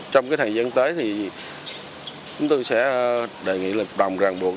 trong thời gian tới thì chúng tôi sẽ đề nghị lực đồng ràng buộc